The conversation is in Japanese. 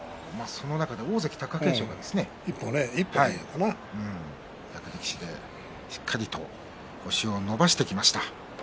大関貴景勝が一歩役力士でしっかりと星を伸ばしてきました。